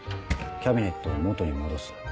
キャビネットを元に戻す。